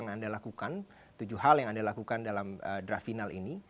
ada tujuh hal yang anda lakukan dalam draf final ini